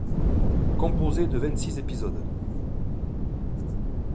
Composée de vingt-six épisodes.